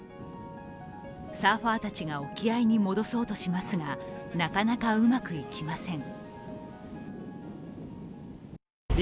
サーファーたちが沖合に戻そうとしますがなかなかうまくいきません。